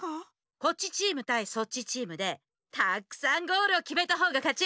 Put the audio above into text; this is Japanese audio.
こっちチームたいそっちチームでたくさんゴールをきめたほうがかち。